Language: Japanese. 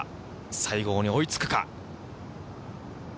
西郷に追いつくか。